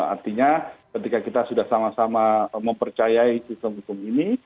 artinya ketika kita sudah sama sama mempercayai sistem hukum ini